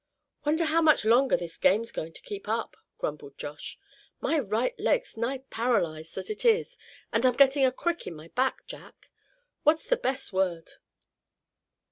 "Wonder how much longer this game's goin' to keep up?" grumbled Josh; "my right leg's nigh paralyzed as it is, and I'm gettin' a crick in my back, Jack, what's the best word?"